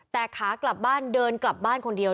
แต่ขากลับบ้านเดินกลับบ้านคนเดียว